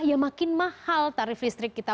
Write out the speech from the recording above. ya makin mahal tarif listrik kita